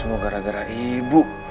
semoga gara gara ibu